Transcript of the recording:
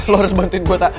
lo harus bantuin gue tak